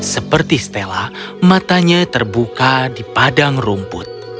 seperti stella matanya terbuka di padang rumput